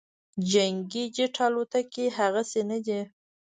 جنګي جیټ الوتکې هغسې نه دي